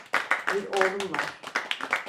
Bir oğlun var.